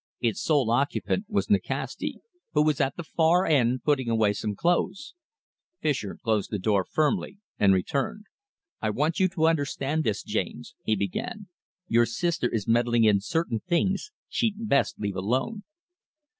Its sole occupant was Nikasti, who was at the far end, putting away some clothes. Fischer closed the door firmly and returned. "I want you to understand this, James," he began. "Your sister is meddling in certain things she'd best leave alone."